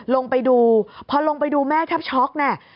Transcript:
ลงไปดูพอลงไปดูแม่แทบช็อกแน่